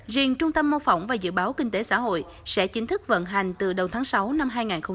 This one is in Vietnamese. riêng trung tâm mô phỏng và dự báo kinh tế xã hội sẽ chính thức vận hành từ đầu tháng sáu năm hai nghìn hai mươi